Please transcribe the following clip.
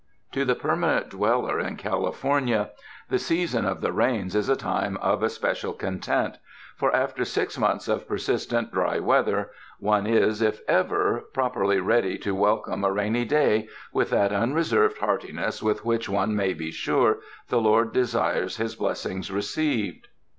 To the permanent dweller in California the season 268 CONCERNING THE CLIMATE of the rains is a time of especial content, for after six months of persistent dry weather, one is, if ever, properly ready to welcome a rainy day with that un reserved heartiness with which, one may be sure, the Lord desires His blessings received.